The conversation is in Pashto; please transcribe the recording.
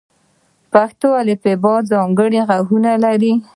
پښتو الفبې ځانګړي غږونه لري.